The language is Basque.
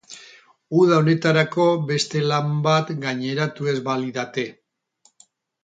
Uda honetarako beste lan bat gaineratu ez balidate.